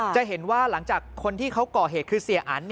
จะเห็นว่าหลังจากคนที่เขาก่อเหตุคือเสียอัน